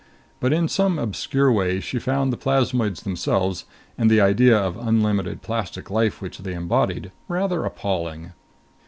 But in some obscure way she found the plasmoids themselves and the idea of unlimited plastic life which they embodied rather appalling.